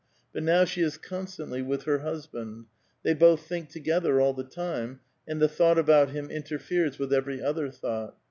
But now she is constantly with her husband. They both think together all the time, and the thought about him interferes with every other thought.